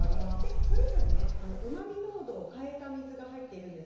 それぞれにうまみ濃度を変えた水が入っています。